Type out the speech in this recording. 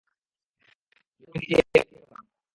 যদি না তুমি নিজে একঘেয়ে হয়ে থাকো।